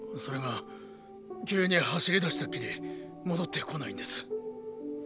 それが急に走り出したっきり戻ってこないんです。